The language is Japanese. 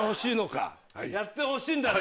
やってほしいんだな。